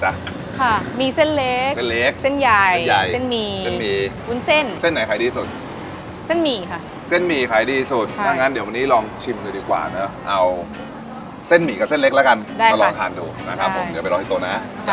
ตอนนี้พร้อมจะชิมแล้วนะครับเรามีสองเมนูด้วยกัน